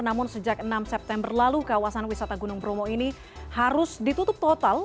namun sejak enam september lalu kawasan wisata gunung bromo ini harus ditutup total